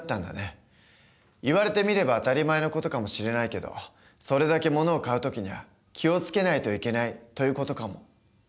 言われてみれば当たり前の事かもしれないけどそれだけものを買う時には気を付けないといけないという事かも。